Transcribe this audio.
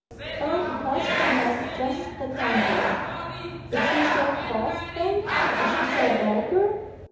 "Oh because she meant just the contrary." "Is she so false then is she so vulgar?"